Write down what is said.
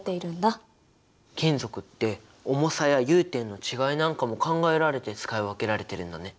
金属って重さや融点の違いなんかも考えられて使い分けられてるんだね。